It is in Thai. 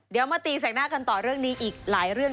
เดี๋ยวมาตีแสกหน้ากันต่อเรื่องนี้อีกหลายเรื่อง